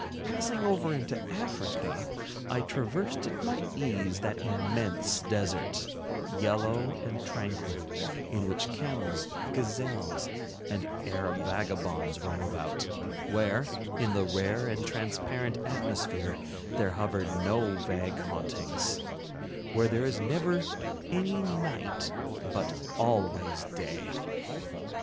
Passing over into Africa, I traversed at my ease that immense desert, yellow and tranquil, in which camels, gazelles, and Arab vagabonds roam about—where, in the rare and transparent atmosphere, there hover no vague hauntings, where there is never any night, but always day.